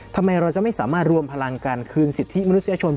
ทำไมเราจะไม่สามารถรวมพลังการคืนสิทธิมนุษยชน